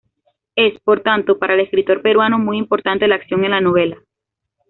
Es, por tanto, para el escritor peruano, muy importante la acción en la novela.